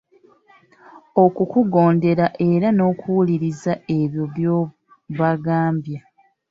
Okukugondera era n'okuwuliriza ebyo by'obagamba.